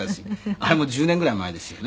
「あれもう１０年ぐらい前ですよね」